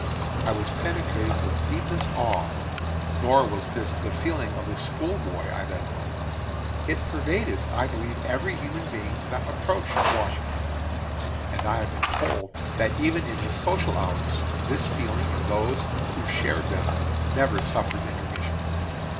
I was penetrated with deepest awe. Nor was this the feeling of the school boy I then was. It pervaded, I believe, every human being that approached Washington; and I have been told that even in his social hours, this feeling in those who shared them never suffered intermission.